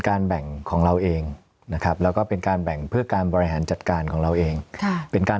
การแบ่งของเราเองนะครับแล้วก็เป็นการแบ่งเพื่อการบริหารจัดการของเราเองเป็นการ